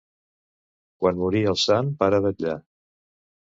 Quan morí el sant pare vetllà.